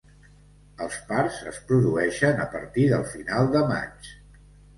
Els parts es produeixen a partir del final de maig.